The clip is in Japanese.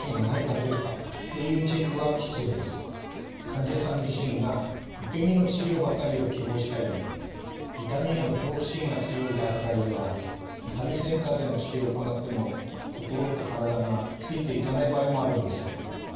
患者さん自身が受け身の治療ばかりを希望したり痛みへの恐怖心が強い段階では痛みセンターでの治療を行っても心と体がついていかない場合もあるんです。